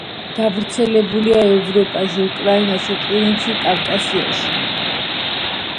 გავრცელებულია ევროპაში, უკრაინაში, ყირიმში, კავკასიაში.